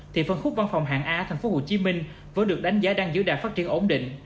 thì phân khúc văn phòng hạng a thành phố hồ chí minh vẫn được đánh giá đang giữ đạt phát triển ổn định